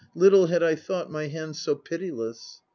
Little had I thought My hand so pitiless!"